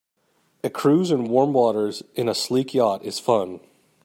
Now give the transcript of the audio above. A cruise in warm waters in a sleek yacht is fun.